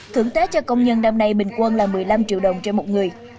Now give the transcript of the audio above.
thưởng tế cho công nhân năm nay bình quân là một mươi năm triệu đồng cho một người